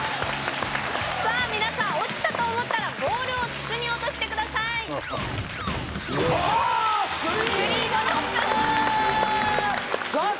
さあ皆さんオチたと思ったらボールを筒に落としてくださいわあ３ドロップ！